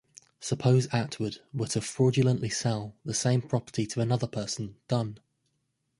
Suppose Atwood were to fraudulently sell the same property to another person, Dunn.